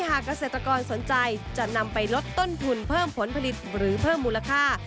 หากเกษตรกรสนใจจะนำไปลดต้นทุนเพิ่มผลผลิตหรือเพิ่มมูลค่า